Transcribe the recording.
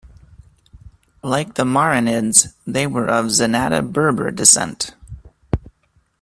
Like the Marinids, they were of Zenata Berber descent.